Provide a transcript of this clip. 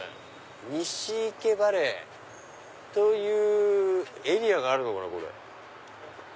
ニシイケバレイというエリアがあるのかな？